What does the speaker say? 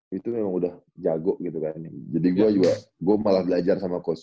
kalau yang di indonesia warriors